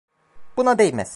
Buna değmez.